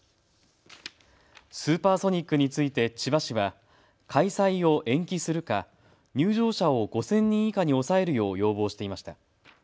スーパーソニックについて千葉市は開催を延期するか入場者を５０００人以下に抑えるよう要望していました。